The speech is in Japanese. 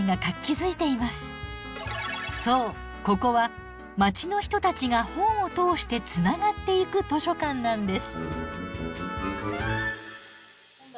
そうここは街の人たちが本を通してつながっていく図書館なんです。